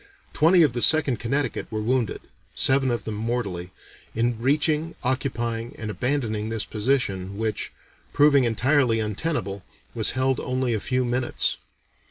Twenty of the Second Connecticut were wounded seven of them mortally in reaching, occupying, and abandoning this position, which, proving entirely untenable, was held only a few minutes.